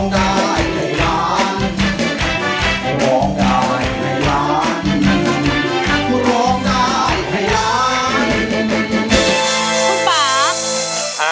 คุณพาก